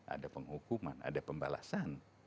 ada penghukuman ada pembalasan